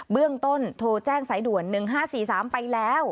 เรื่องต้นโทรแจ้งสายด่วน๑๕๔๓ไปแล้ว